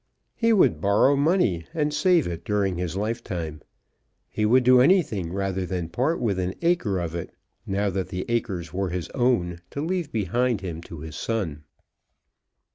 He would borrow money, and save it during his lifetime. He would do anything rather than part with an acre of it, now that the acres were his own to leave behind him to his son.